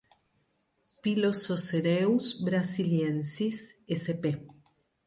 Pilosocereus brasiliensis ssp.